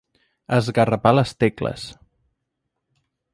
Esgarrapar les tecles.